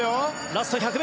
ラスト１００ｍ。